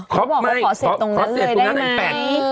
จะบอกไม่ขอเสพตรงนั้นเลยได้ไหม